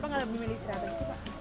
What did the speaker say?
kenapa tidak memilih sehatan